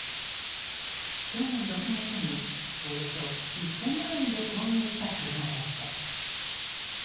去年６月におよそ１０００万円で購入した車でした。